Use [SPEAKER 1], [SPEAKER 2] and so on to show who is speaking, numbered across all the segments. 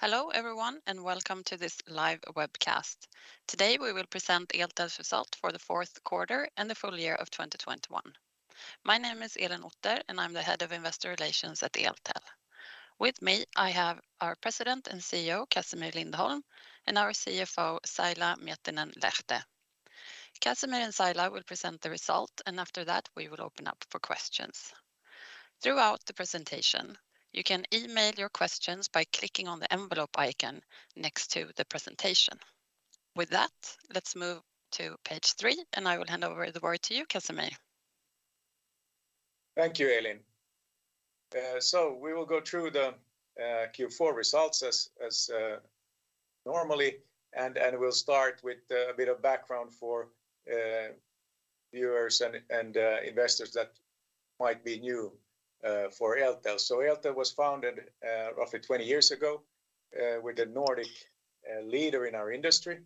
[SPEAKER 1] Hello everyone and welcome to this live webcast. Today we will present Eltel's result for the fourth quarter and the full year of 2021. My name is Elin Otter, and I'm the head of investor relations at Eltel. With me, I have our President and CEO, Casimir Lindholm, and our CFO, Saila Miettinen-Lähde. Casimir and Saila will present the result, and after that we will open up for questions. Throughout the presentation, you can email your questions by clicking on the envelope icon next to the presentation. With that, let's move to page 3, and I will hand over the word to you, Casimir.
[SPEAKER 2] Thank you, Elin. We will go through the Q4 results as normally, and we'll start with a bit of background for viewers and investors that might be new for Eltel. Eltel was founded roughly 20 years ago. We're the Nordic leader in our industry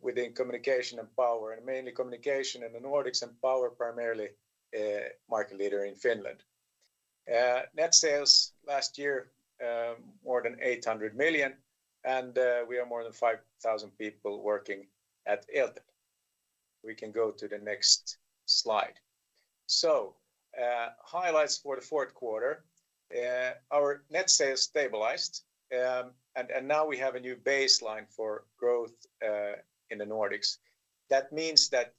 [SPEAKER 2] within communication and power, and mainly communication in the Nordics and power primarily, market leader in Finland. Net sales last year, more than 800 million, and we are more than 5,000 people working at Eltel. We can go to the next slide. Highlights for the fourth quarter. Our net sales stabilized, and now we have a new baseline for growth in the Nordics. That means that,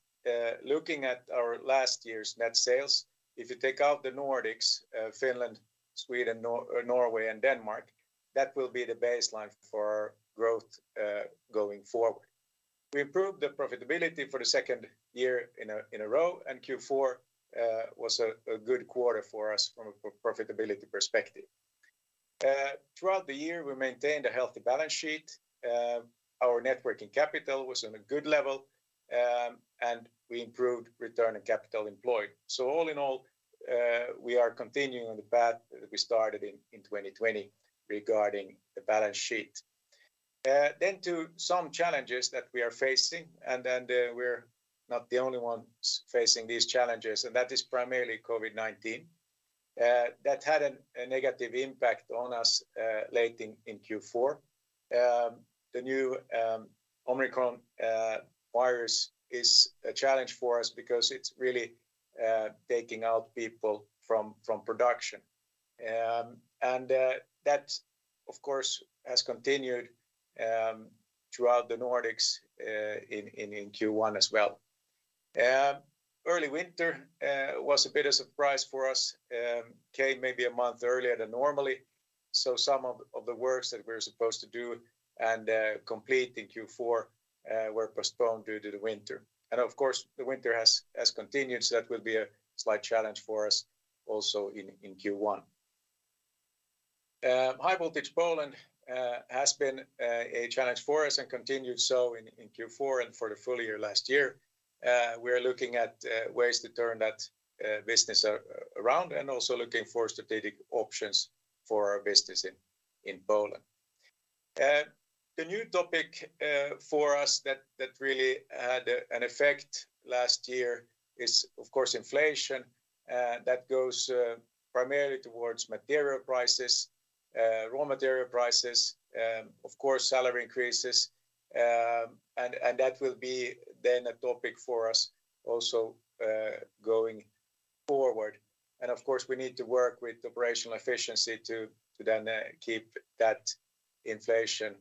[SPEAKER 2] looking at our last year's net sales, if you take out the Nordics, Finland, Sweden, Norway and Denmark, that will be the baseline for growth, going forward. We improved the profitability for the second year in a row, and Q4 was a good quarter for us from a profitability perspective. Throughout the year, we maintained a healthy balance sheet. Our net working capital was on a good level, and we improved return on capital employed. All in all, we are continuing on the path that we started in 2020 regarding the balance sheet. To some challenges that we are facing, we're not the only ones facing these challenges, and that is primarily COVID-19. That had a negative impact on us late in Q4. The new Omicron virus is a challenge for us because it's really taking out people from production. That of course has continued throughout the Nordics in Q1 as well. Early winter was a bit of surprise for us, came maybe a month earlier than normally, so some of the works that we're supposed to do and complete in Q4 were postponed due to the winter. Of course, the winter has continued, so that will be a slight challenge for us also in Q1. High Voltage Poland has been a challenge for us and continued so in Q4 and for the full year last year. We are looking at ways to turn that business around and also looking for strategic options for our business in Poland. The new topic for us that really had an effect last year is, of course, inflation. That goes primarily towards material prices, raw material prices, of course, salary increases. That will be then a topic for us also going forward. Of course, we need to work with operational efficiency to then keep that inflation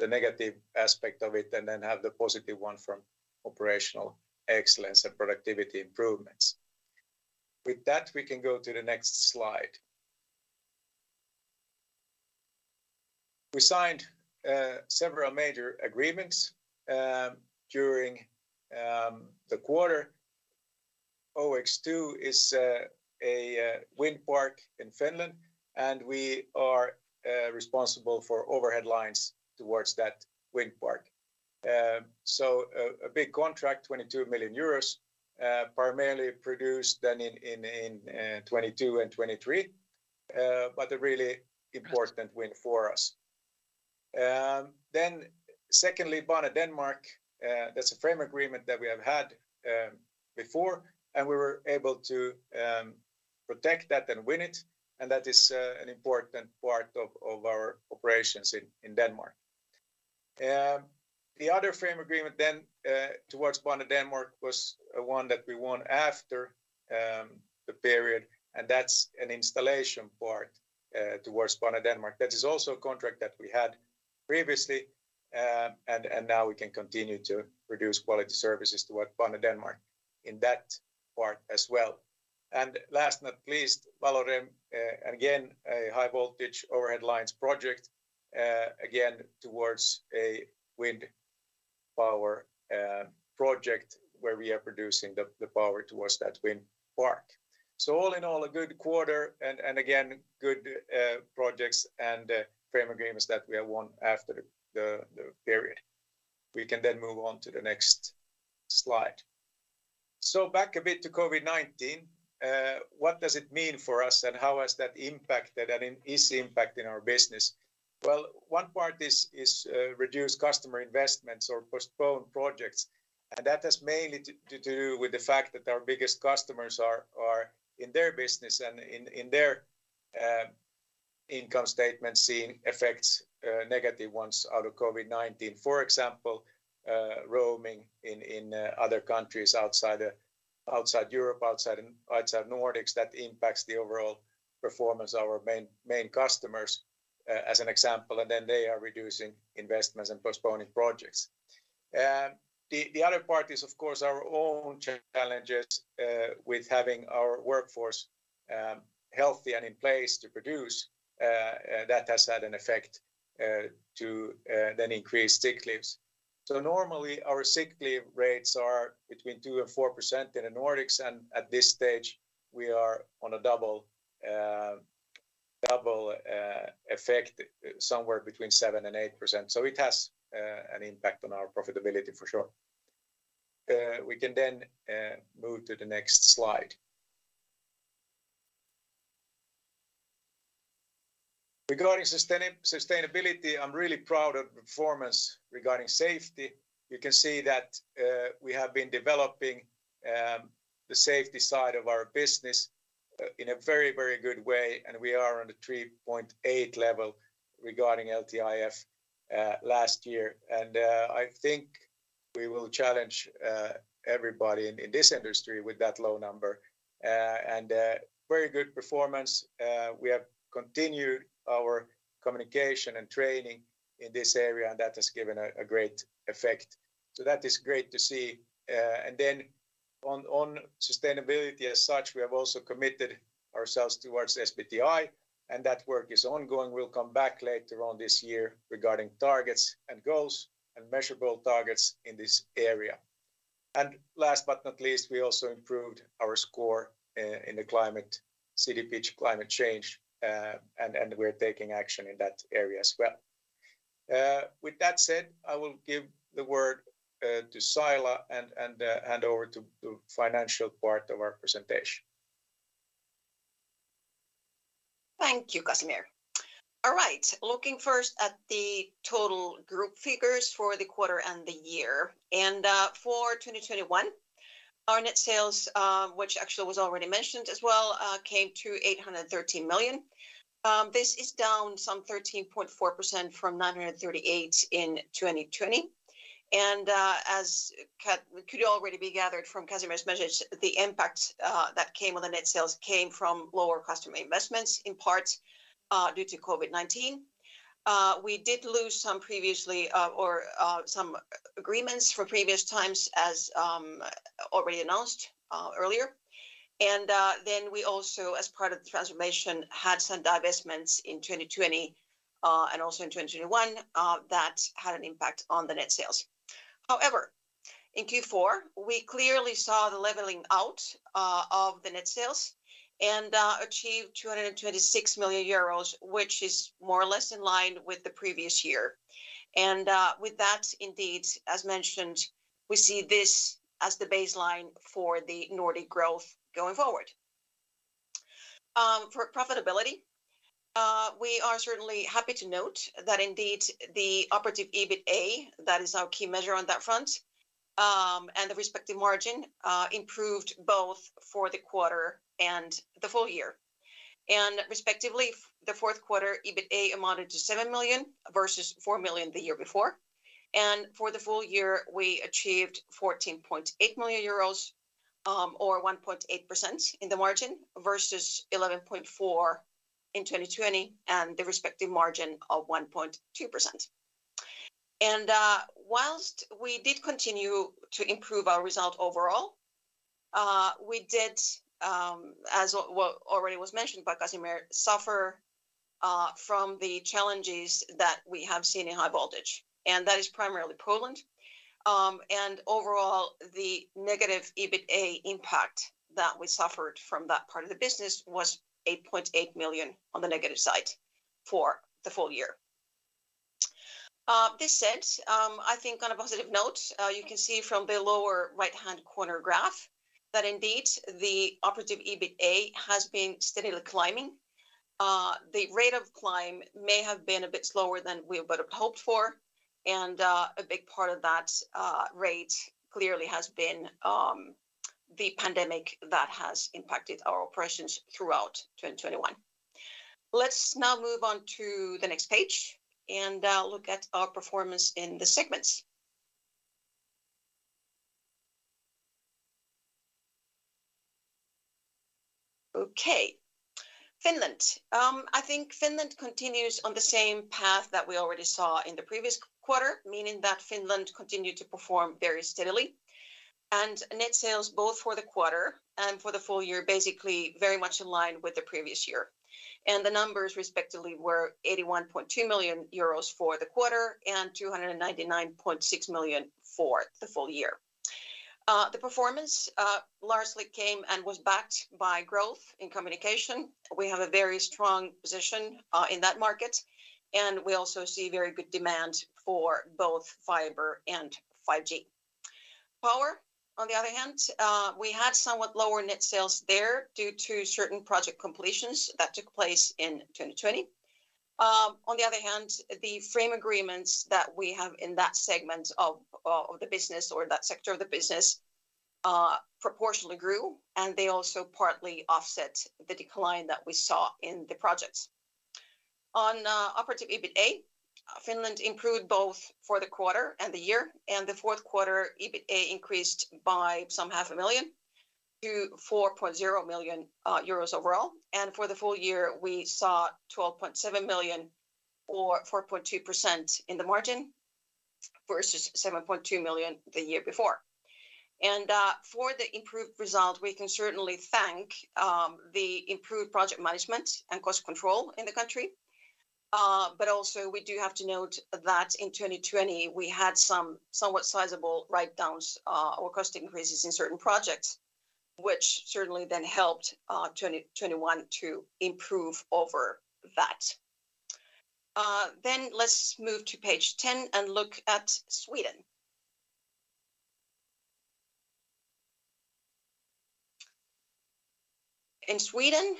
[SPEAKER 2] the negative aspect of it, and then have the positive one from operational excellence and productivity improvements. With that, we can go to the next slide. We signed several major agreements during the quarter. OX2 is a wind park in Finland, and we are responsible for overhead lines towards that wind park. A big contract, 22 million euros, primarily produced then in 2022 and 2023, but a really important win for us. Banedanmark, that's a frame agreement that we have had before, and we were able to protect that and win it, and that is an important part of our operations in Denmark. The other frame agreement towards Banedanmark was one that we won after the period, and that's an installation part towards Banedanmark. That is also a contract that we had previously, and now we can continue to produce quality services towards Banedanmark in that part as well. Last but not least, Valorem, again, a High Voltage overhead lines project, again towards a wind power project where we are producing the power towards that wind park. All in all, a good quarter and again, good projects and frame agreements that we have won after the period. We can then move on to the next slide. Back a bit to COVID-19. What does it mean for us, and how has that impacted and is impacting our business? Well, one part is reduced customer investments or postponed projects. That has mainly to do with the fact that our biggest customers are in their business and in their income statement seeing effects, negative ones out of COVID-19. For example, roaming in other countries outside Europe, outside Nordics, that impacts the overall performance of our main customers, as an example, and then they are reducing investments and postponing projects. The other part is, of course, our own challenges with having our workforce healthy and in place to produce. That has had an effect to increase sick leaves. Normally our sick leave rates are between 2%-4% in the Nordics, and at this stage we are on a double effect, somewhere between 7%-8%. It has an impact on our profitability for sure. We can then move to the next slide. Regarding sustainability, I'm really proud of our performance regarding safety. You can see that we have been developing the safety side of our business in a very, very good way, and we are on the 3.8 level regarding LTIF last year. I think we will challenge everybody in this industry with that low number. Very good performance. We have continued our communication and training in this area, and that has given a great effect. That is great to see. Then on sustainability as such, we have also committed ourselves towards SBTi, and that work is ongoing. We'll come back later on this year regarding targets and goals and measurable targets in this area. Last but not least, we also improved our score in the CDP Climate Change. We're taking action in that area as well. With that said, I will give the word to Saila and hand over to the financial part of our presentation.
[SPEAKER 3] Thank you, Casimir. All right. Looking first at the total group figures for the quarter and the year. For 2021, our net sales, which actually was already mentioned as well, came to 813 million. This is down some 13.4% from 938 million in 2020. As could already be gathered from Casimir's message, the impact that came on the net sales came from lower customer investments in part due to COVID-19. We did lose some agreements from previous times as already announced earlier. We also, as part of the transformation, had some divestments in 2020 and also in 2021 that had an impact on the net sales. However, in Q4, we clearly saw the leveling out of the net sales and achieved 226 million euros, which is more or less in line with the previous year. With that, indeed, as mentioned, we see this as the baseline for the Nordic growth going forward. For profitability, we are certainly happy to note that indeed the operative EBITA, that is our key measure on that front, and the respective margin improved both for the quarter and the full year. Respectively, the fourth quarter EBITA amounted to 7 million versus 4 million the year before. For the full year, we achieved 14.8 million euros, or 1.8% in the margin versus 11.4 million in 2020 and the respective margin of 1.2%. While we did continue to improve our result overall, we did, as already was mentioned by Casimir, suffer from the challenges that we have seen in High Voltage, and that is primarily Poland. Overall, the negative EBITA impact that we suffered from that part of the business was 8.8 million on the negative side for the full year. That said, I think on a positive note, you can see from the lower right-hand corner graph that indeed the operating EBITA has been steadily climbing. The rate of climb may have been a bit slower than we would have hoped for, and a big part of that rate clearly has been the pandemic that has impacted our operations throughout 2021. Let's now move on to the next page and look at our performance in the segments. Okay. Finland. I think Finland continues on the same path that we already saw in the previous quarter, meaning that Finland continued to perform very steadily. Net sales both for the quarter and for the full year basically very much in line with the previous year. The numbers respectively were 81.2 million euros for the quarter and 299.6 million for the full year. The performance largely came and was backed by growth in communication. We have a very strong position in that market, and we also see very good demand for both fiber and 5G. Power, on the other hand, we had somewhat lower net sales there due to certain project completions that took place in 2020. On the other hand, the frame agreements that we have in that segment of the business or that sector of the business proportionally grew, and they also partly offset the decline that we saw in the projects. In operating EBITA, Finland improved both for the quarter and the year, and the fourth quarter EBITA increased by some half a million EUR to 4.0 million euros overall. For the full year, we saw 12.7 million or 4.2% in the margin versus 7.2 million the year before. For the improved result, we can certainly thank the improved project management and cost control in the country. Also we do have to note that in 2020 we had some somewhat sizable writedowns, or cost increases in certain projects, which certainly then helped 2021 to improve over that. Let's move to page 10 and look at Sweden. In Sweden,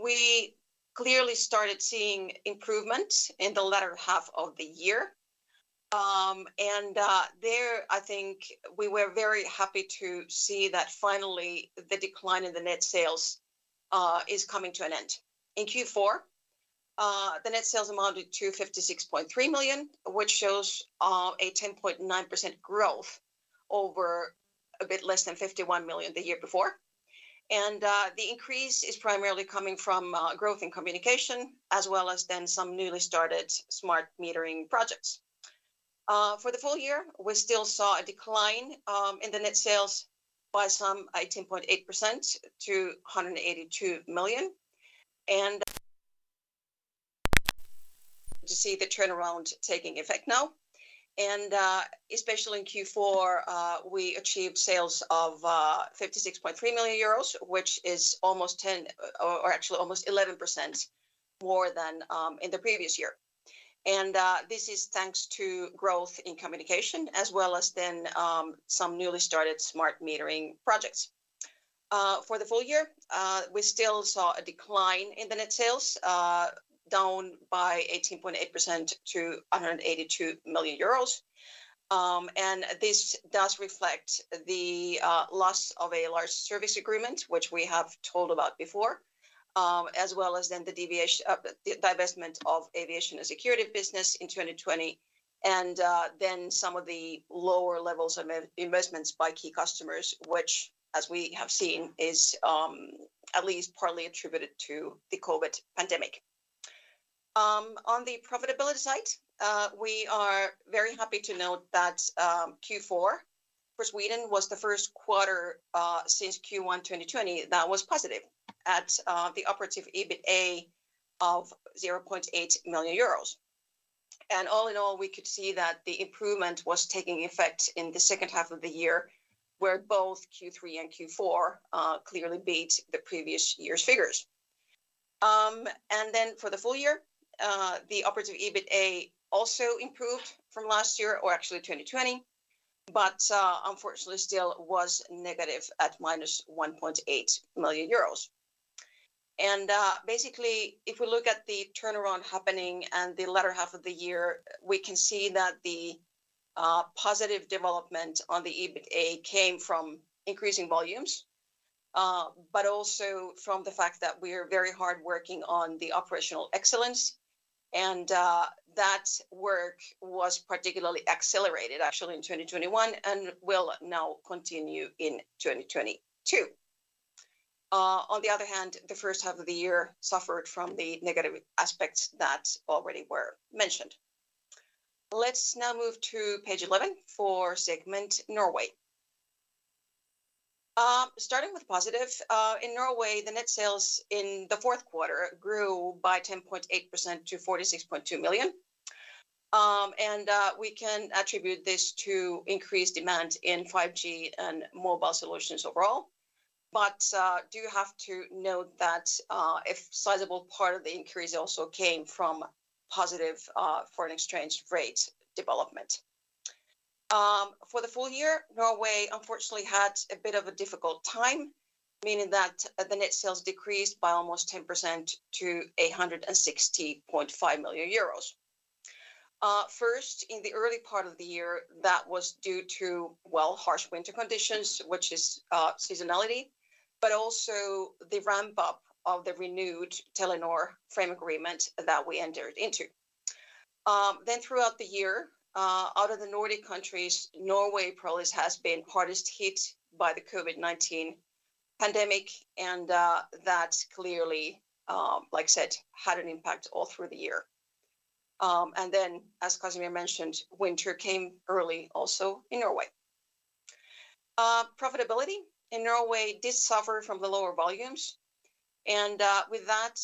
[SPEAKER 3] we clearly started seeing improvement in the latter half of the year. I think we were very happy to see that finally the decline in the net sales is coming to an end. In Q4, the net sales amounted to 56.3 million, which shows a 10.9% growth over a bit less than 51 million the year before. The increase is primarily coming from growth in communication, as well as then some newly started smart metering projects. For the full year, we still saw a decline in the net sales by some 18.8% to EUR 182 million. To see the turnaround taking effect now, especially in Q4, we achieved sales of 56.3 million euros, which is almost 10, or actually almost 11% more than in the previous year. This is thanks to growth in communication, as well as then some newly started smart metering projects. For the full year, we still saw a decline in the net sales down by 18.8% to 182 million euros. This does reflect the loss of a large service agreement, which we have told about before, as well as the divestment of aviation and security business in 2020, and then some of the lower levels of investments by key customers, which as we have seen is at least partly attributed to the COVID-19 pandemic. On the profitability side, we are very happy to note that Q4 for Sweden was the first quarter since Q1 2020 that was positive at the operative EBITA of 0.8 million euros. All in all, we could see that the improvement was taking effect in the second half of the year, where both Q3 and Q4 clearly beat the previous year's figures. For the full year, the operating EBITA also improved from last year, or actually 2020, but unfortunately still was negative at -1.8 million euros. Basically, if we look at the turnaround happening in the latter half of the year, we can see that the positive development on the EBITA came from increasing volumes, but also from the fact that we're very hard working on the operational excellence. That work was particularly accelerated actually in 2021 and will now continue in 2022. On the other hand, the first half of the year suffered from the negative aspects that already were mentioned. Let's now move to page 11 for segment Norway. Starting with positive, in Norway, the net sales in the fourth quarter grew by 10.8% to 46.2 million. We can attribute this to increased demand in 5G and mobile solutions overall. Do have to note that a sizable part of the increase also came from positive foreign exchange rate development. For the full year, Norway unfortunately had a bit of a difficult time, meaning that the net sales decreased by almost 10% to 160.5 million euros. First, in the early part of the year, that was due to, well, harsh winter conditions, which is seasonality, but also the ramp-up of the renewed Telenor frame agreement that we entered into. Throughout the year, out of the Nordic countries, Norway probably has been hardest hit by the COVID-19 pandemic, and that clearly, like I said, had an impact all through the year. As Casimir mentioned, winter came early also in Norway. Profitability in Norway did suffer from the lower volumes, and with that,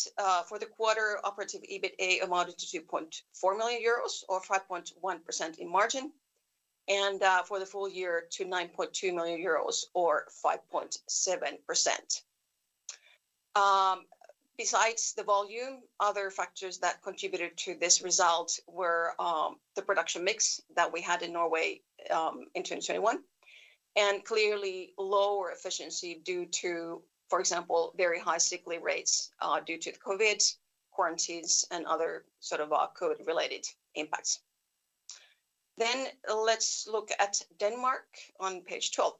[SPEAKER 3] for the quarter, operative EBITA amounted to 2.4 million euros or 5.1% margin. For the full year to 9.2 million euros or 5.7%. Besides the volume, other factors that contributed to this result were the production mix that we had in Norway in 2021. Clearly lower efficiency due to, for example, very high sick leave rates due to COVID, quarantines, and other sort of COVID-related impacts. Let's look at Denmark on page 12.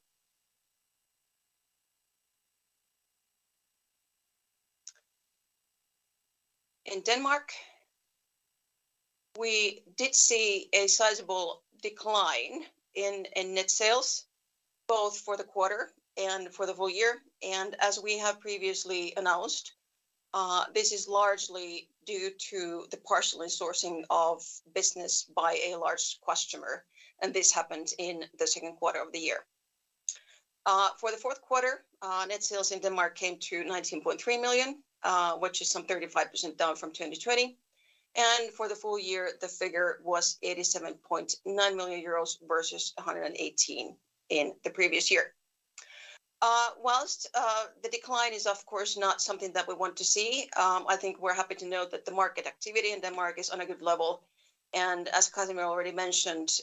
[SPEAKER 3] In Denmark, we did see a sizable decline in net sales, both for the quarter and for the full year. As we have previously announced, this is largely due to the partial resourcing of business by a large customer, and this happened in the second quarter of the year. For the fourth quarter, net sales in Denmark came to 19.3 million, which is some 35% down from 2020. For the full year, the figure was 87.9 million euros versus 118 million in the previous year. While the decline is of course not something that we want to see, I think we're happy to note that the market activity in Denmark is on a good level. As Casimir already mentioned,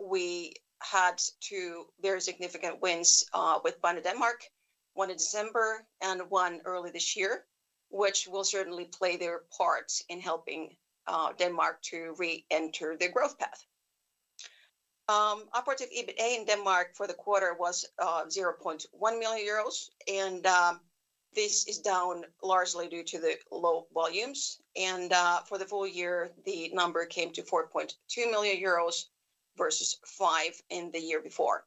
[SPEAKER 3] we had two very significant wins with Banedanmark, one in December and one early this year, which will certainly play their part in helping Denmark to reenter the growth path. Operative EBITA in Denmark for the quarter was 0.1 million euros, and this is down largely due to the low volumes. For the full year, the number came to 4.2 million euros versus 5 million in the year before.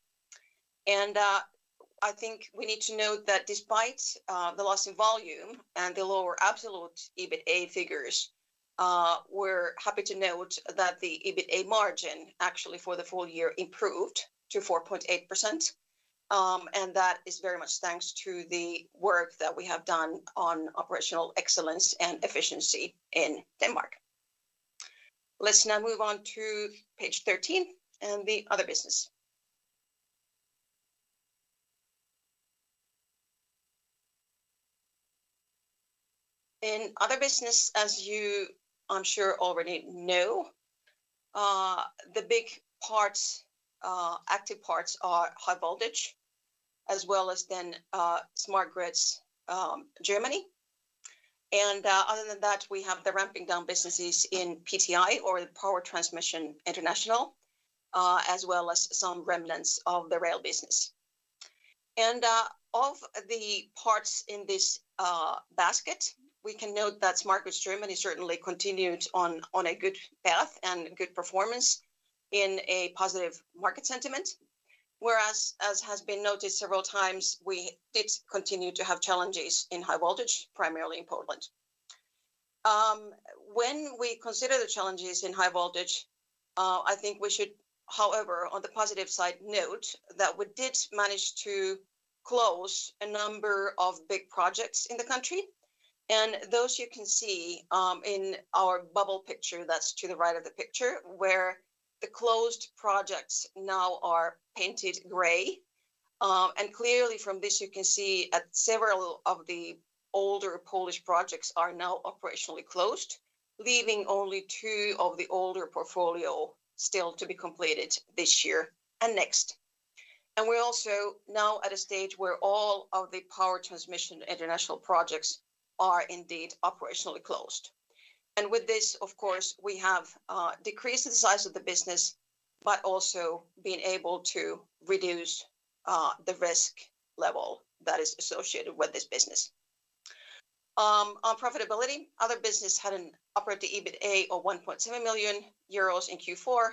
[SPEAKER 3] I think we need to note that despite the loss in volume and the lower absolute EBITA figures, we're happy to note that the EBITA margin actually for the full year improved to 4.8%. That is very much thanks to the work that we have done on operational excellence and efficiency in Denmark. Let's now move on to page 13 and the other business. In other business, as you, I'm sure, already know, the big parts, active parts are High Voltage as well as then Smart Grids, Germany. Other than that, we have the ramping down businesses in PTI or the Power Transmission International, as well as some remnants of the rail business. Of the parts in this basket, we can note that Smart Grids Germany certainly continued on a good path and good performance in a positive market sentiment. Whereas, as has been noted several times, we did continue to have challenges in High Voltage, primarily in Poland. When we consider the challenges in High Voltage, I think we should, however, on the positive side, note that we did manage to close a number of big projects in the country. Those you can see in our bubble picture that's to the right of the picture, where the closed projects now are painted gray. Clearly from this you can see that several of the older Polish projects are now operationally closed, leaving only two of the older portfolio still to be completed this year and next. We're also now at a stage where all of the Power Transmission International projects are indeed operationally closed. With this, of course, we have decreased the size of the business, but also been able to reduce the risk level that is associated with this business. On profitability, other business had an operative EBITA of 1.7 million euros in Q4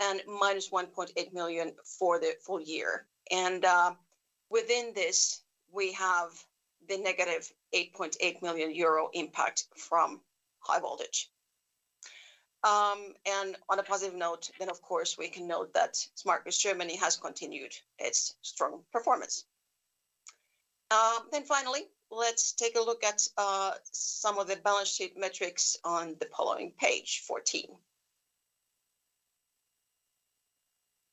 [SPEAKER 3] and -1.8 million for the full year. Within this, we have the negative 8.8 million euro impact from High Voltage. On a positive note, of course, we can note that Smart Grids Germany has continued its strong performance. Finally, let's take a look at some of the balance sheet metrics on the following page 14.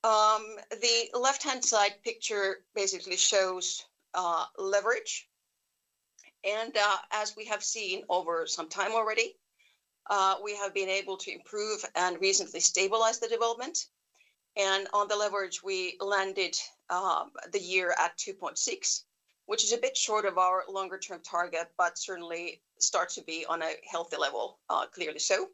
[SPEAKER 3] The left-hand side picture basically shows leverage. As we have seen over some time already, we have been able to improve and reasonably stabilize the development. On the leverage, we landed the year at 2.6, which is a bit short of our longer-term target, but certainly starts to be on a healthy level, clearly so.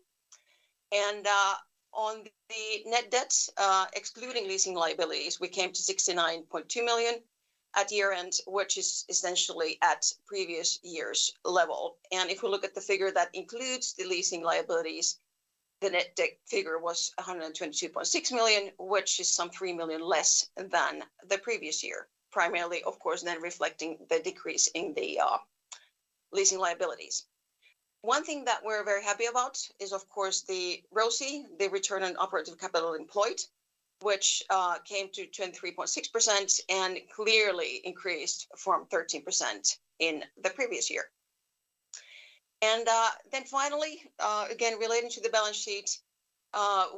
[SPEAKER 3] On the net debt, excluding leasing liabilities, we came to 69.2 million at year-end, which is essentially at previous year's level. If we look at the figure that includes the leasing liabilities, the net debt figure was 122.6 million, which is some 3 million less than the previous year. Primarily, of course, then reflecting the decrease in the leasing liabilities. One thing that we're very happy about is, of course, the ROCE, the return on operative capital employed, which came to 23.6% and clearly increased from 13% in the previous year. Then finally, again, relating to the balance sheet,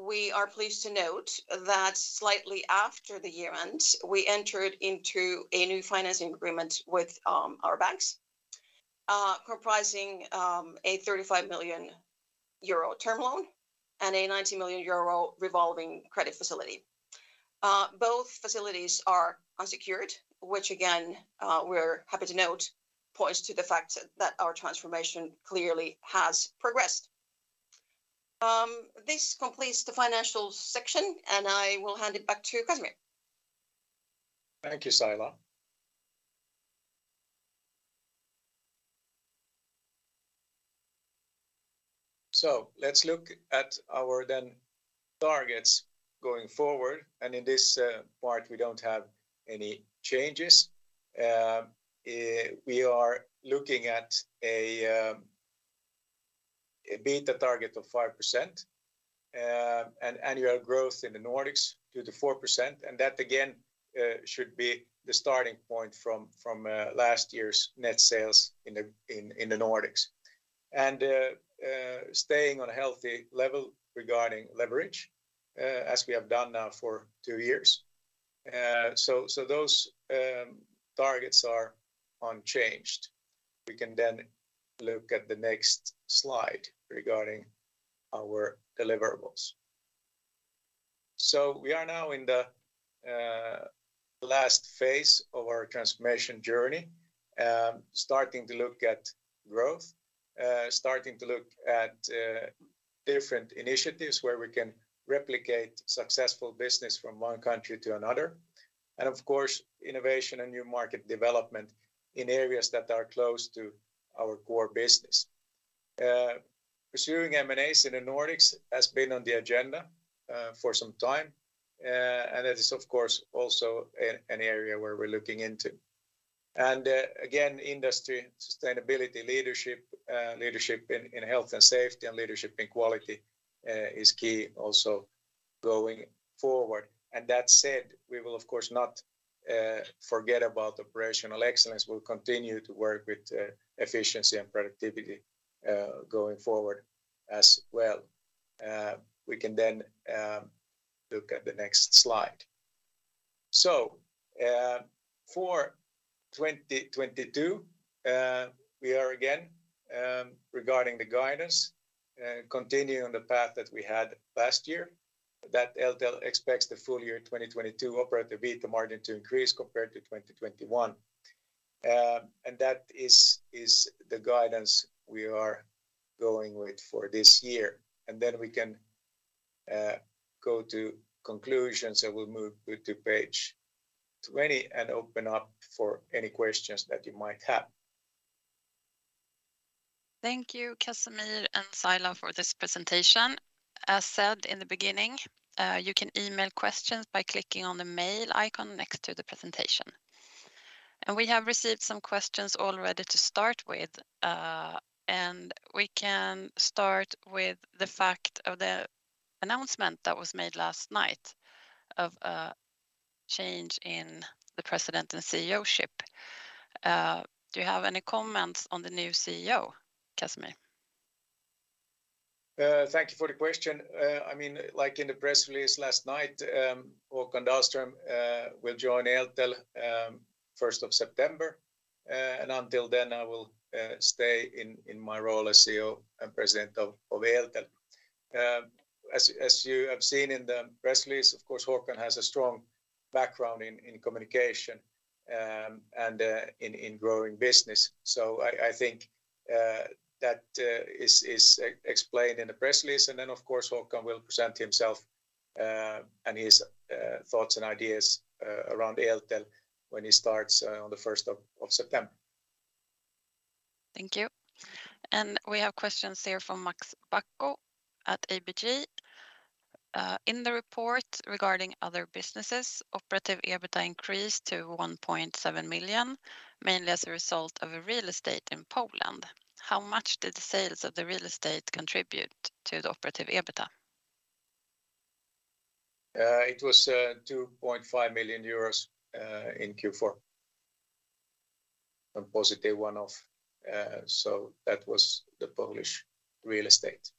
[SPEAKER 3] we are pleased to note that slightly after the year end, we entered into a new financing agreement with our banks, comprising a 35 million euro term loan and a 90 million euro revolving credit facility. Both facilities are unsecured, which again, we're happy to note points to the fact that our transformation clearly has progressed. This completes the financial section, and I will hand it back to Casimir.
[SPEAKER 2] Thank you, Saila. Let's look at our targets going forward, and in this part, we don't have any changes. We are looking at a EBITDA target of 5%, and annual growth in the Nordics to 4%. That again should be the starting point from last year's net sales in the Nordics, staying on a healthy level regarding leverage as we have done now for two years. Those targets are unchanged. We can look at the next slide regarding our deliverables. We are now in the last phase of our transformation journey, starting to look at different initiatives where we can replicate successful business from one country to another, and of course, innovation and new market development in areas that are close to our core business. Pursuing M&As in the Nordics has been on the agenda for some time. It is of course also an area where we're looking into. Again, industry sustainability leadership in health and safety and leadership in quality is key also going forward. That said, we will of course not forget about operational excellence. We'll continue to work with efficiency and productivity going forward as well. We can then look at the next slide. For 2022, we are again regarding the guidance continuing the path that we had last year, that Eltel expects the full year 2022 operative EBITDA margin to increase compared to 2021. That is the guidance we are going with for this year. Then we can go to conclusions, and we'll move to page 20 and open up for any questions that you might have.
[SPEAKER 1] Thank you, Casimir and Saila for this presentation. As said in the beginning, you can email questions by clicking on the mail icon next to the presentation. We have received some questions already to start with, and we can start with the fact of the announcement that was made last night of a change in the president and CEO-ship. Do you have any comments on the new CEO, Casimir?
[SPEAKER 2] Thank you for the question. I mean, like in the press release last night, Håkan Dahlström will join Eltel 1st of September. Until then I will stay in my role as CEO and President of Eltel. As you have seen in the press release, of course, Håkan has a strong background in communication and in growing business. I think that is explained in the press release. Then of course, Håkan will present himself and his thoughts and ideas around Eltel when he starts on the 1st of September.
[SPEAKER 1] Thank you. We have questions here from Max Bäcko at ABG. In the report regarding other businesses, operative EBITA increased to 1.7 million, mainly as a result of a real estate in Poland. How much did the sales of the real estate contribute to the operative EBITA?
[SPEAKER 2] It was 2.5 million euros in Q4. A positive one-off, so that was the Polish real estate.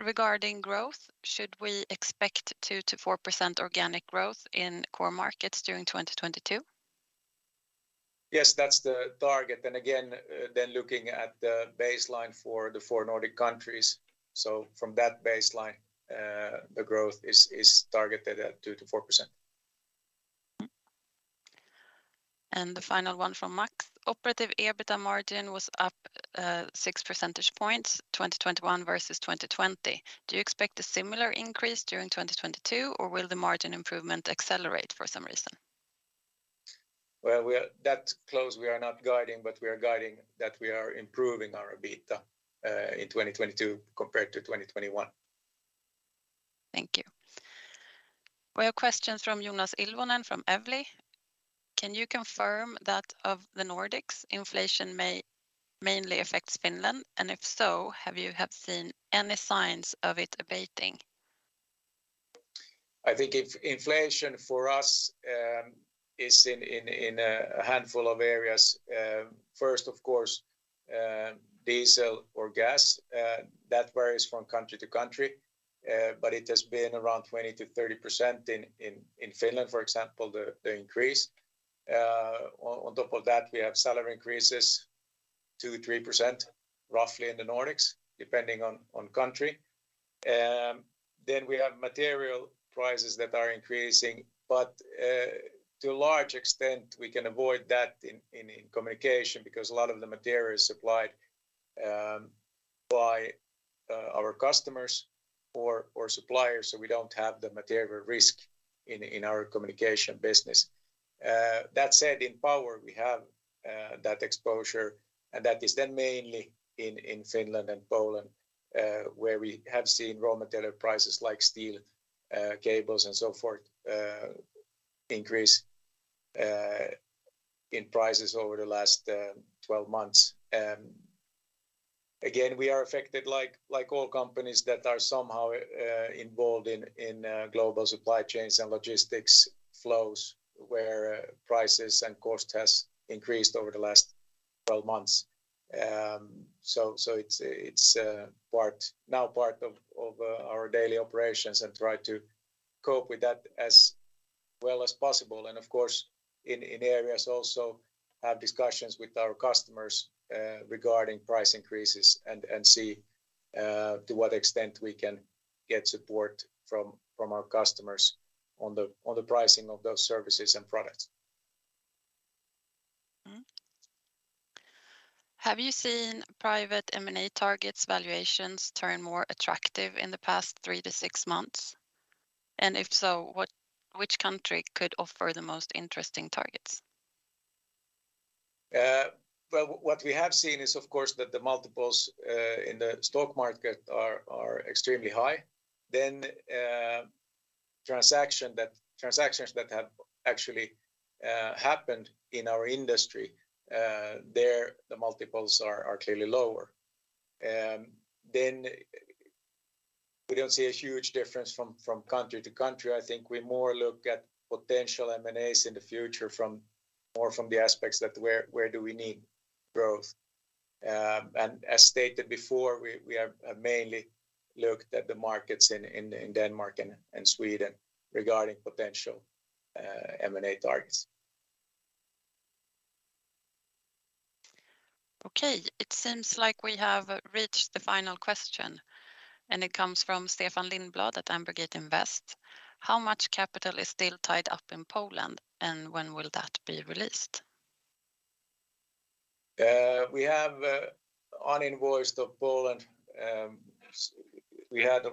[SPEAKER 1] Regarding growth, should we expect 2%-4% organic growth in core markets during 2022?
[SPEAKER 2] Yes, that's the target. Again, looking at the baseline for the four Nordic countries, from that baseline, the growth is targeted at 2%-4%.
[SPEAKER 1] Mm-hmm. The final one from Max. Operating EBITA margin was up six percentage points, 2021 versus 2020. Do you expect a similar increase during 2022, or will the margin improvement accelerate for some reason?
[SPEAKER 2] Well, that close we are not guiding, but we are guiding that we are improving our EBITA in 2022 compared to 2021.
[SPEAKER 1] Thank you. We have questions from Jonas Ilvonen from Evli. Can you confirm that of the Nordics inflation may mainly affect Finland? If so, have you seen any signs of it abating?
[SPEAKER 2] I think if inflation for us is in a handful of areas. First, of course, diesel or gas that varies from country to country. It has been around 20%-30% in Finland, for example, the increase. On top of that, we have salary increases 2%-3% roughly in the Nordics depending on country. We have material prices that are increasing. To a large extent we can avoid that in communication because a lot of the material is supplied by our customers or suppliers, so we don't have the material risk in our communication business. That said, in power we have that exposure, and that is then mainly in Finland and Poland, where we have seen raw material prices like steel, cables and so forth, increase in prices over the last 12 months. Again, we are affected like all companies that are somehow involved in global supply chains and logistics flows where prices and cost has increased over the last 12 months. So it's now part of our daily operations and try to cope with that as well as possible. Of course, in areas also have discussions with our customers regarding price increases and see to what extent we can get support from our customers on the pricing of those services and products.
[SPEAKER 1] Have you seen private M&A targets valuations turn more attractive in the past three to six months? If so, which country could offer the most interesting targets?
[SPEAKER 2] What we have seen is of course that the multiples in the stock market are extremely high. Transactions that have actually happened in our industry. There the multiples are clearly lower. We don't see a huge difference from country to country. I think we look more at potential M&As in the future from the aspects that, where do we need growth. As stated before, we have mainly looked at the markets in Denmark and Sweden regarding potential M&A targets.
[SPEAKER 1] Okay. It seems like we have reached the final question, and it comes from Stefan Lindblad at Ambergate Invest. How much capital is still tied up in Poland, and when will that be released?
[SPEAKER 2] We had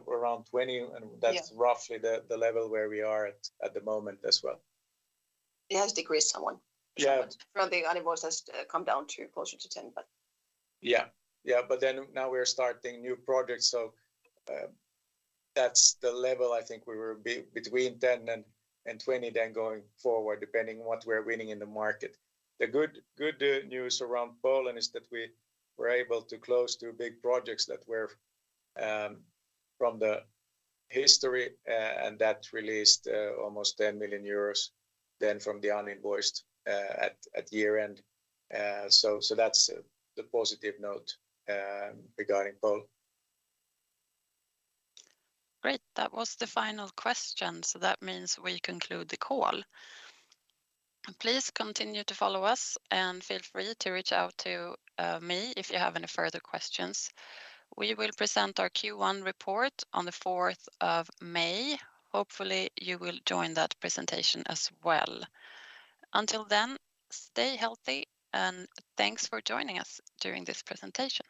[SPEAKER 2] around 20-
[SPEAKER 3] Yeah that's roughly the level where we are at the moment as well. It has decreased somewhat. Yeah. From the uninvoiced has come down closer to 10, but.
[SPEAKER 2] Yeah, now we're starting new projects. That's the level I think we will be between 10 and 20 going forward, depending what we're winning in the market. The good news around Poland is that we were able to close two big projects that were from the history and that released almost 10 million euros that from the uninvoiced at year-end. That's the positive note regarding Poland.
[SPEAKER 1] Great. That was the final question, so that means we conclude the call. Please continue to follow us, and feel free to reach out to me if you have any further questions. We will present our Q1 report on the 4th of May. Hopefully, you will join that presentation as well. Until then, stay healthy, and thanks for joining us during this presentation.